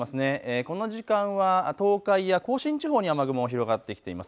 この時間は東海や甲信地方に雨雲広がってきています。